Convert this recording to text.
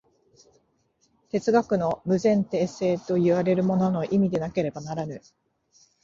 哲学の無前提性といわれるものの意味でなければならぬ。